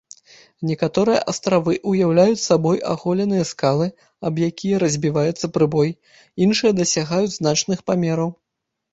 Некаторыя астравы ўяўляюць сабой аголеныя скалы, аб якія разбіваецца прыбой, іншыя дасягаюць значных памераў.